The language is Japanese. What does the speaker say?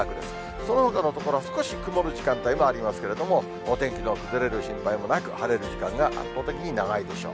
そのほかの所は、少し曇る時間帯もありますけれども、お天気の崩れる心配もなく、晴れる時間が圧倒的に長いでしょう。